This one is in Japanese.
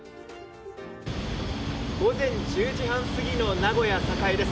午前１０時半過ぎの名古屋・栄です。